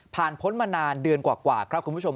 พ้นมานานเดือนกว่าครับคุณผู้ชม